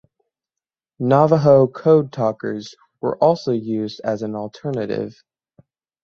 Navajo code talkers were also used as an alternative.